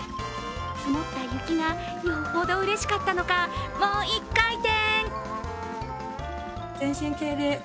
積もった雪がよほどうれしかったのか、もう一回転！